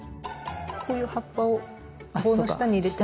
こういう葉っぱを棒の下に入れておくと。